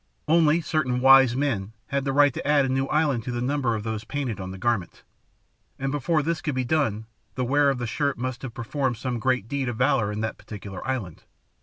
Only certain "wise men" had the right to add a new island to the number of those painted on the garment, and before this could be done the wearer of the shirt must have performed some great deed of valour in that particular island.